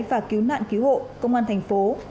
và cứu nạn cứu hộ công an thành phố